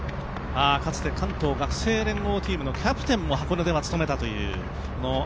かつて関東学生連合チームのキャプテンも箱根では務めました。